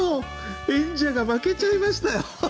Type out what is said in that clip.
演者が負けちゃいましたよ。